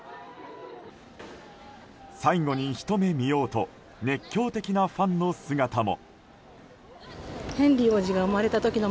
最後にひと目見ようと熱狂的なファンの姿も。